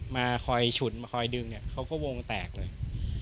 มาคอยฉุนมาคอยดึงเนี่ยเขาก็วงแตกเลย